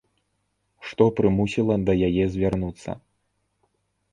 Што прымусіла да яе звярнуцца?